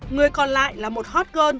người còn lại là một hot girl